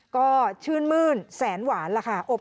ก็ชื่นมื้นแสนหวานล่ะค่ะ